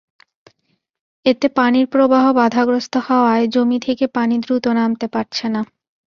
এতে পানির প্রবাহ বাধাগ্রস্ত হওয়ায় জমি থেকে পানি দ্রুত নামতে পারছে না।